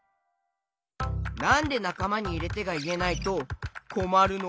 なんで「なかまにいれて」がいえないとこまるの？